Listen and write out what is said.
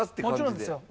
もちろんですよ。